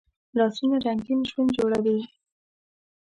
لاسونه رنګین ژوند جوړوي